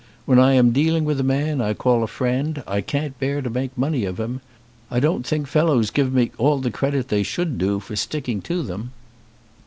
When I am dealing with a man I call a friend, I can't bear to make money of him. I don't think fellows give me all the credit they should do for sticking to them."